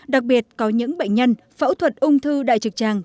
đặc biệt có những bệnh nhân phẫu thuật ung thư đại trực tràng